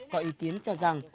có ý kiến cho rằng